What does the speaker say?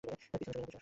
পিছনে সরে যা।